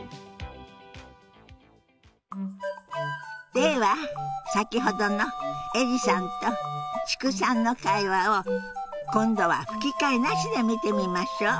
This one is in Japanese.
では先ほどのエリさんと知久さんの会話を今度は吹き替えなしで見てみましょう。